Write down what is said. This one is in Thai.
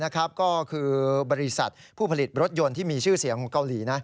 ก็คือบริษัทผู้ผลิตรถยนต์ที่มีชื่อเสียงของเกาหลี